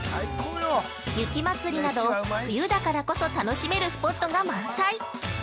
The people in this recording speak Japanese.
雪まつりなど冬だからこそ楽しめるスポットが満載。